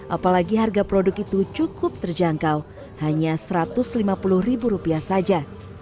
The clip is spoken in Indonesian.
apalagi harga produk itu cukup terjangkau hanya satu ratus lima puluh ribu rupiah saja